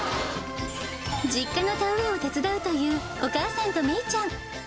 実家の田植えを手伝うというお母さんと芽衣ちゃん。